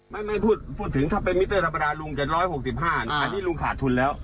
ไม่พูดถึงทะเบซทรัปดารุงจะ๑๖๕บาทอันที่ลุงขาดทุนแล้ว